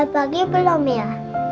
pagi belum ya